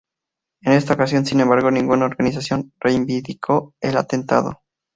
En esta ocasión, sin embargo, ninguna organización reivindicó el atentado.